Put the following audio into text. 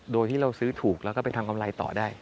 โดยที่เราซื้อถูกแล้วก็ไปทำกำไรต่อได้